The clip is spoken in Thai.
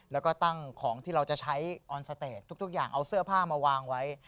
แล้วก็ตั้งของที่เราจะใช้ออนสเตจทุกอย่างเอาเสื้อผ้ามาวางไว้